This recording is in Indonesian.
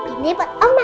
ini buat oma